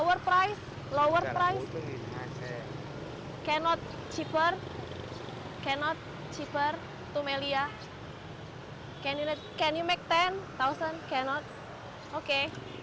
boleh anda membuat sepuluh tidak oke